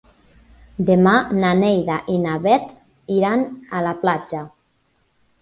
Demà na Neida i na Bet iran a la platja.